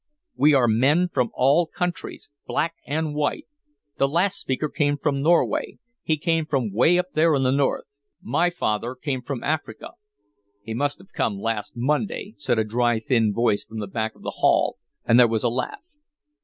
We are men from all countries, black and white. The last speaker came from Norway he came from way up there in the North. My father came from Africa " "He must have come last Monday," said a dry, thin voice from the back of the hall, and there was a laugh.